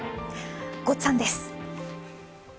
ごっつぁんです。